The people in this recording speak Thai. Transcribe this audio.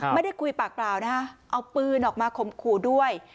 ไม่ได้คุยปากเปล่านะฮะเอาปืนออกมาข่มขู่ด้วย